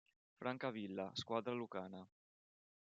Francavilla, squadra lucana.